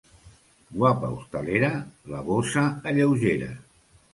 Guapa hostalera, la bossa alleugera.